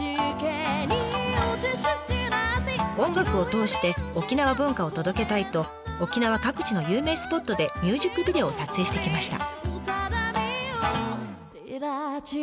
音楽を通して沖縄文化を届けたいと沖縄各地の有名スポットでミュージックビデオを撮影してきました。